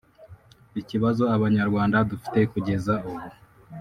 Ikibazo abanyarwanda dufite kugeza ubu